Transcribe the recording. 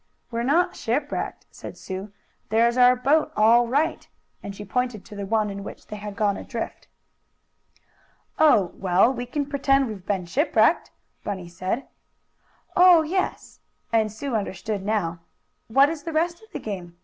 "We're not shipwrecked," said Sue. "There's our boat all right," and she pointed to the one in which they had gone adrift. "Oh, well, we can pretend we've been shipwrecked," Bunny said. "Oh, yes!" and Sue understood now. "What is the rest of the game?"